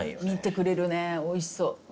見てくれるねおいしそう。